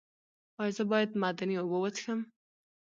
ایا زه باید معدني اوبه وڅښم؟